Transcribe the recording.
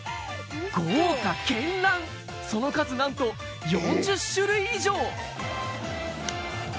豪華けんらん、その数なんと、４０種類以上。